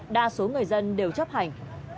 đa số người dân đều chấp hành